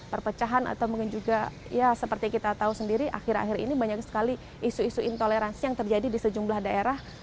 perpecahan atau mungkin juga ya seperti kita tahu sendiri akhir akhir ini banyak sekali isu isu intoleransi yang terjadi di sejumlah daerah